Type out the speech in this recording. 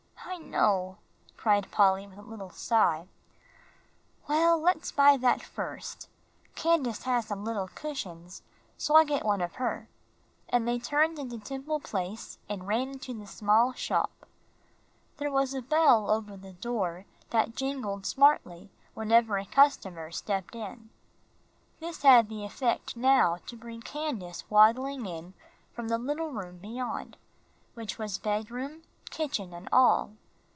"I know," cried Polly, with a little sigh. "Well, let's buy that first. Candace has some little cushions, so I'll get one of her," and they turned into Temple Place and ran into the small shop. There was a bell over the door that jingled smartly whenever a customer stepped in. This had the effect now to bring Candace waddling in from the little room beyond, which was bedroom, kitchen, and all.